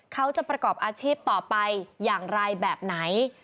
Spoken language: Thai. เขาจะประกอบอาชีพต่อไปอย่างไรแบบไหน